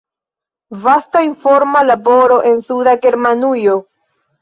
Vasta informa laboro en Suda Germanujo.